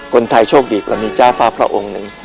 คนไทยโชคดีเรามีเจ้าฟ้าพระองค์หนึ่ง